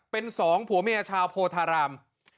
เป็นสองผัวเมียชาวโพธาราม